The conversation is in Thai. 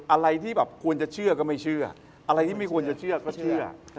อะไรที่แบบควรจะเชื่อก็ไม่เชื่ออะไรที่ไม่ควรจะเชื่อก็เชื่อ